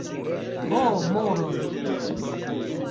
Ho, moroj!